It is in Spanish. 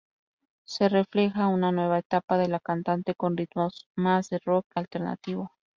Se refleja una nueva etapa de la cantante, con ritmos más del rock alternativo.